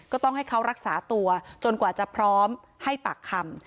ก็ต้องให้เขารักษาตัวจนกว่าจะพร้อมให้ปากคำ